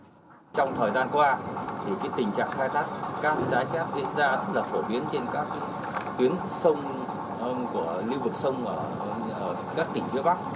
trong thời gian qua thì tình trạng khai thác cát trái phép diễn ra rất là phổ biến trên các tuyến sông của lưu vực sông ở các tỉnh phía bắc